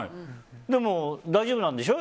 でも、大丈夫なんでしょ。